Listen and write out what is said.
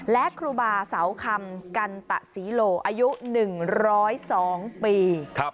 และครูบาเสาคำกันตะศรีโลอายุ๑๐๒ปี